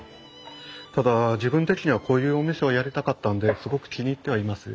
ただ自分的にはこういうお店をやりたかったんですごく気に入ってはいます。